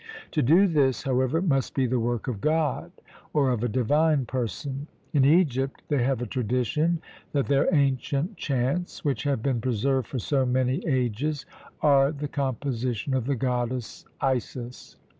To do this, however, must be the work of God, or of a divine person; in Egypt they have a tradition that their ancient chants which have been preserved for so many ages are the composition of the Goddess Isis.